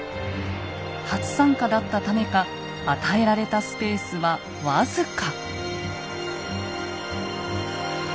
初参加だったためか与えられたスペースは僅か。